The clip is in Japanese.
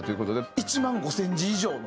１万５０００字以上の。